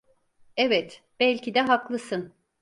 Evet, belki de haklısın.